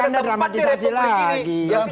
anda dramatisasi lagi